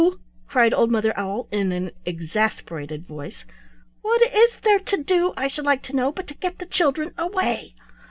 cried old Mother Owl in an exasperated voice; "what is there to do, I should like to know, but to get the children away?